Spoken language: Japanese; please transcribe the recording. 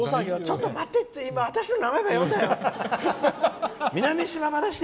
ちょっと待って、今私の名前ば呼んだよって。